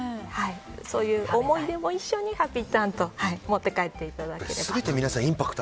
そういう思い出も一緒にハッピーターンと持って帰っていただいて。